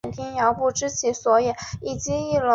经由轨道科学公司所建造。